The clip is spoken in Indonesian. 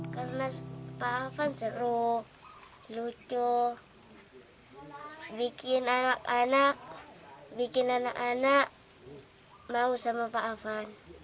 karena pak afan seru lucu bikin anak anak bikin anak anak mau sama pak afan